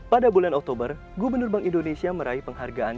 pada bulan oktober gubernur bank indonesia meraih penghargaan